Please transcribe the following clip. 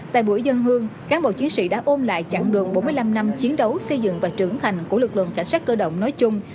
tại buổi dân hương cán bộ chiến sĩ đã ôm lại chặng đường bốn mươi năm năm chiến đấu xây dựng và trưởng thành của lực lượng cảnh sát cơ động nói chung